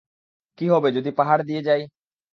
কী হবে যদি পাহাড় দিয়ে যাই?